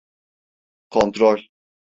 Kontrol!